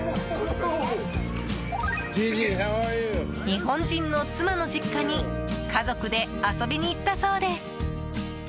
日本人の妻の実家に家族で遊びに行ったそうです。